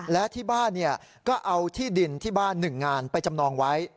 และที่บ้านก็เอาที่ดินที่บ้าน๑งานไปจำนองไว้